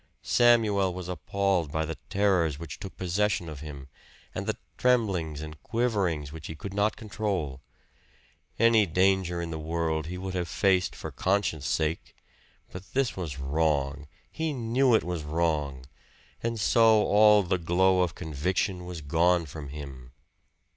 Samuel was appalled by the terrors which took possession of him, and the tremblings and quiverings which he could not control. Any danger in the world he would have faced for conscience' sake; but this was wrong he knew it was wrong! And so all the glow of conviction was gone from him.